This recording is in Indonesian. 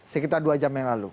sekitar dua jam yang lalu